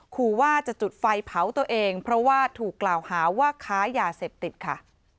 ขู่ว่าจะจุดไฟเผาตัวเองเพราะว่าถูกกล่าวหาว่าค้ายาเสพติดค่ะ